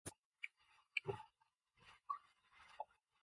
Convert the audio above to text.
Excited granular matter is a rich pattern-forming system.